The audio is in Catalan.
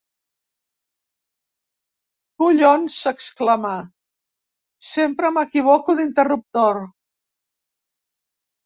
Collons! —s'exclama— Sempre m'equivoco d'interruptor!